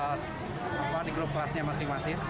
lima ratus enam belas bahkan sudah di grup kelasnya masing masing